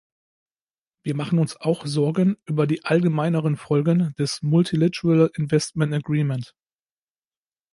Wir machen uns auch Sorgen über die allgemeineren Folgen des Multilateral Investment Agreement .